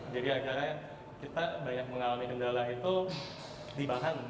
jadi agar kita banyak mengalami kendala itu di bahan